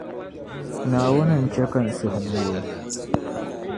Naawuni n-chɛ ka n suhu ŋooi.